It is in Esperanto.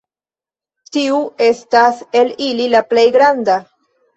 Tiu estas el ili la plej granda.